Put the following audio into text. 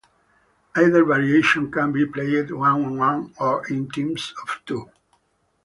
Either variation can be played one-on-one or in teams of two.